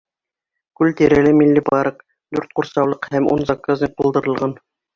Күл тирәләй милли парк, дүрт ҡурсаулыҡ һәм ун заказник булдырылған.